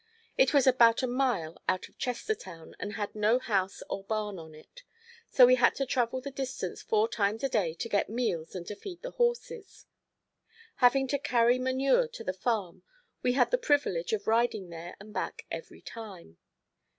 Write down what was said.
It was about a mile out of Chestertown and had no house or barn on it, so we had to travel the distance four times a day to get meals and to feed the horses. Having to carry manure to the farm we had the privilege of riding there and back every time.